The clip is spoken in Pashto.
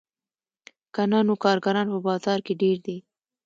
که نه نو کارګران په بازار کې ډېر دي